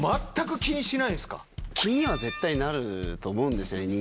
気には絶対なると思うんです